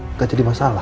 nggak jadi masalah